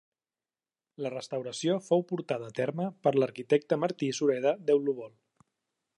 La restauració fou portada a terme per l'arquitecte Martí Sureda Deulovol.